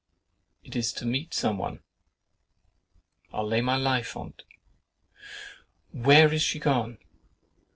It is to meet some one, I'll lay my life on't. "Where is she gone?"